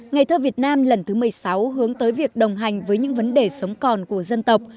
ngày thơ việt nam lần thứ một mươi sáu hướng tới việc đồng hành với những vấn đề sống còn của dân tộc